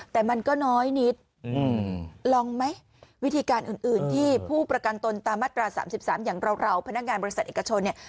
แต่มันก็น้อยนิดลองไหมวิธีการอื่นที่ผู้ประกันตนตามมาตรา๓๓อย่างเราพนักงานบริษัทเอกชนเนี่ย